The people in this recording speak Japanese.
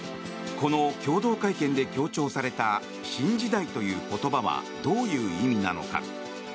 この共同会見で強調された新時代という言葉はどういう意味なのか。